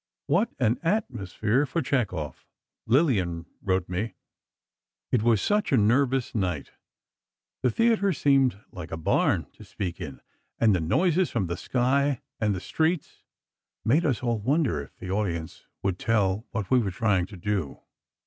What an atmosphere for Chekhov. Lillian wrote me: It was such a nervous night. The theatre seemed like a barn to speak in, and the noises from the sky and the streets made us all wonder if the audience would tell what we were trying to do.